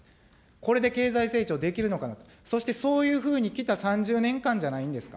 これで経済成長できるのか、そしてそういうふうにきた３０年間じゃないんですか。